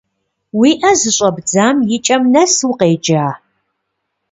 Уи ӏэ зыщӏэбдзам и кӏэм нэс укъеджа?